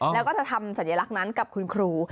แล้วก็จะทำสัญลักษณ์นั้นกับคุณครู